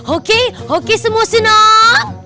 oke oke semua senang